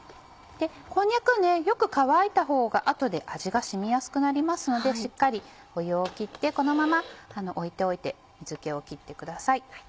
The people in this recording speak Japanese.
こんにゃくよく乾いたほうが後で味が染みやすくなりますのでしっかり湯を切ってこのまま置いておいて水気を切ってください。